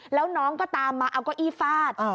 แล้วน้องก็ตามมาเอาเก้าอี้ฟาด